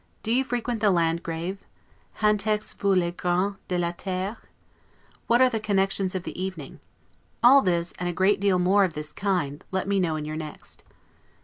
Do you frequent the Landgrave? 'Hantex vous les grands de la terre'? What are the connections of the evening? All this, and a great deal more of this kind, let me know in your next.